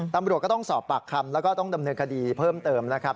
ตำรวจก็ต้องสอบปากคำแล้วก็ต้องดำเนินคดีเพิ่มเติมนะครับ